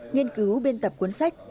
nhiên cứu biên tập cuốn sách